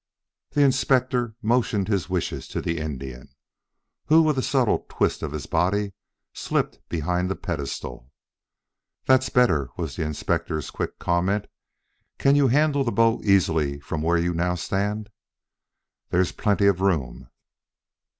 The Inspector motioned his wishes to the Indian, who with a subtle twist of his body slipped behind the pedestal. "That's better," was the Inspector's quick comment. "Can you handle the bow easily from where you now stand?" "There is plenty of room."